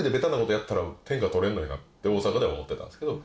大阪では思ってたんですけど。